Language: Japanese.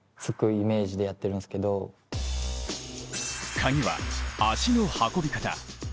カギは足の運び方。